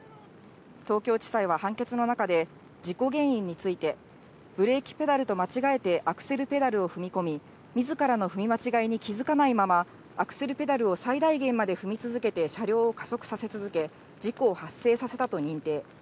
東京地裁は、判決の中で、事故原因について、ブレーキペダルと間違えてアクセルペダルを踏み込み、みずからの踏み間違いに気付かないまま、アクセルペダルを最大限まで踏み続けて、車両を加速させ続け、事故を発生させたと認定。